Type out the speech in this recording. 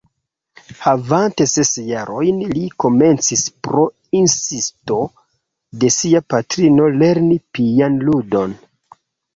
Havante ses jarojn li komencis pro insisto de sia patrino lerni pianludon.